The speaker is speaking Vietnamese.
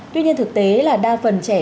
tuy nhiên thực tế là đa phần trẻ